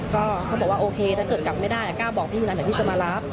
ก็เขาบอกว่าโอเคถ้าเกิดกลับไม่ได้กล้าบอกพี่หลังจากพี่จะมารับ